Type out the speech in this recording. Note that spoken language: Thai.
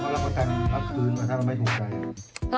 ลองเขาไม่ถูกใจอะไรฮะ